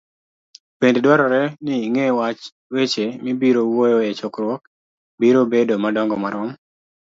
Bende dwarore ni ing'e weche mibiro wuoyoe e chokruok biro bedo madongo marom